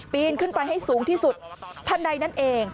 นขึ้นไปให้สูงที่สุดทันใดนั่นเอง